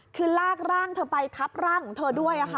คือลากร่างเธอไปทับร่างของเธอด้วย